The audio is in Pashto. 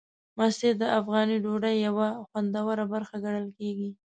مستې د افغاني ډوډۍ یوه خوندوره برخه ګڼل کېږي.